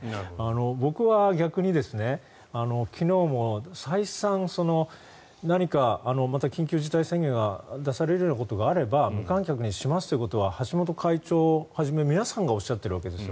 僕は逆に、昨日も再三何かまた緊急事態宣言が出されるようなことがあれば無観客にしますということは橋本会長はじめ皆さんがおっしゃっているわけですよ。